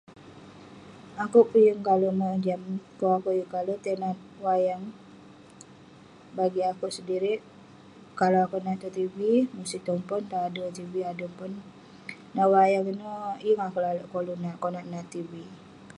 Akouk peh yeng kale mojam, kuk akouk yeng kale tai nat wayang. Bagik akouk sedirik, kalau akouk nat tong tv, musit tong pon, ader tv, ader pon. Dan wayang ineh, yeng akouk lalek koluk nat, konak nat tv.